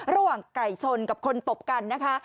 ระหว่างไก่ชนกับคนตบกันนะคะ